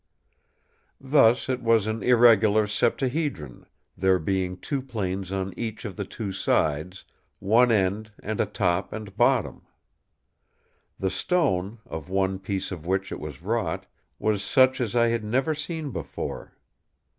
Thus it was an irregular septahedron, there being two planes on each of the two sides, one end and a top and bottom. The stone, of one piece of which it was wrought, was such as I had never seen before.